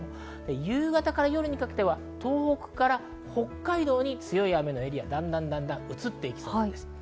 夕方から夜にかけて東北から北海道に強い雨のエリアが移っていきそうです。